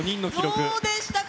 どうでしたか？